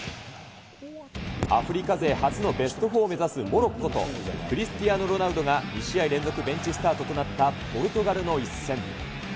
アフリカ勢初のベスト４を目指すモロッコと、クリスティアーノ・ロナウドが２試合連続ベンチスタートとなったポルトガルの一戦。